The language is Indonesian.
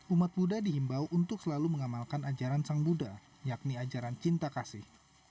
umat buddha dihimbau untuk selalu mengamalkan ajaran sang buddha yakni ajaran cinta kasih